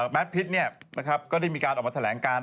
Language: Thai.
แบรทพิษนะครับก็ได้มีการออกมาแถลงการ